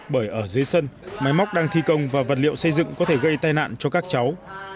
bởi ở dưới sân máy móc đang thi công và vật liệu xây dựng có thể gây tai nạn cho các cháu